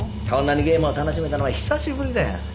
こんなにゲームを楽しめたのは久しぶりだよ。